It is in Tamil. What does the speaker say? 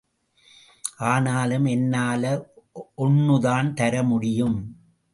ஆனாலும் என்னால ஒண்ணுதான் தர முடியும்.